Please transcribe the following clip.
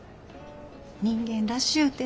人間らしゅうてな。